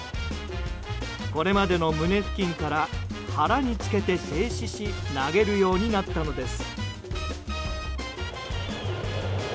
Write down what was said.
これまでの胸付近から腹につけて静止し投げるようになったのです。